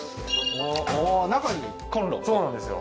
おおー中にコンロそうなんですよ